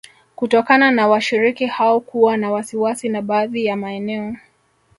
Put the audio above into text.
Kutokana na washiriki hao kuwa na wasiwasi wa baadhi ya maeneo